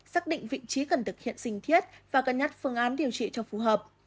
xác định vị trí cần thực hiện sinh thiết và cân nhắc phương án điều trị cho phù hợp